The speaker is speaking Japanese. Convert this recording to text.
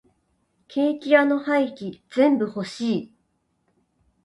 ケーキ屋の廃棄全部欲しい。